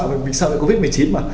mình sợ covid một mươi chín mà